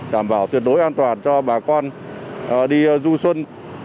đảm bảo tuyệt đối an toàn cho bà con đi du xuân